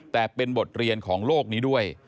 แต่เป็นบทเรียนของโลกนี้ด้วย